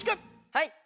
はい！